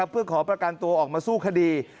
เพื่อขอประกันตัวออกมาสู้คดี